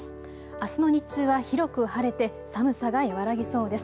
あすの日中は広く晴れて寒さが和らぎそうです。